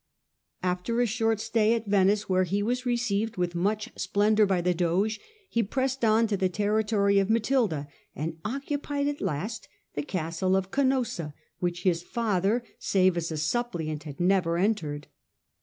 After a short stay at Venice, where he was received with much splendour by the Doge, he pressed on to the territory of Matilda, and occupied at last the castle of Oanossa, which his father, save as a suppliant, had never entered.